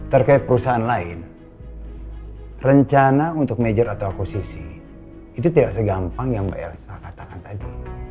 terkait perusahaan lain rencana untuk major atau akuisisi itu tidak segampang yang mbak elsa katakan tadi